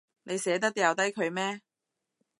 你捨得掉低佢咩？